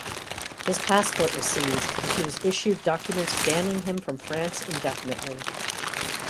His passport was seized and he was issued documents banning him from France indefinitely.